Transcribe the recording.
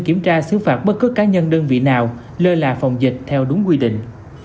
kiểm tra xứ phạt bất cứ cá nhân đơn vị nào lơ là phòng dịch theo đúng quy định